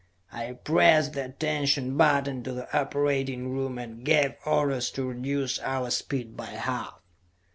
I pressed the attention button to the operating room, and gave orders to reduce our speed by half.